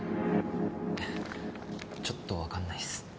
ちょっと分かんないっす。